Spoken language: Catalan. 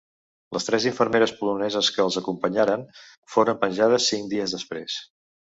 Les tres infermeres poloneses que els acompanyaren foren penjades cinc dies després.